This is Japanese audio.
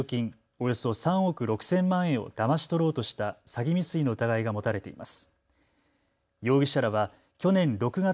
およそ３億６０００万円をだまし取ろうとした詐欺未遂の疑いが持たれています。